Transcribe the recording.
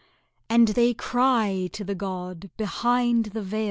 And they cry to the god behind the veil.